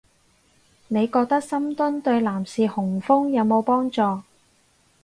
你覺得深蹲對男士雄風有冇幫助